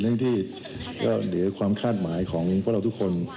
เรื่องที่ก็เหลือความคาดหมายของพวกเราทุกคน